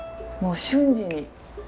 もう瞬時に。